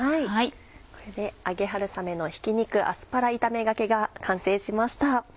これで「揚げ春雨のひき肉アスパラ炒めがけ」が完成しました。